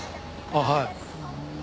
あっはい。